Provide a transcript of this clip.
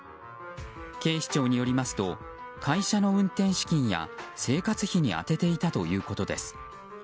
警視庁によりますと会社の運転資金や生活費に充てていたということです。